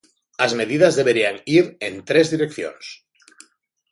As medidas deberían ir en tres direccións.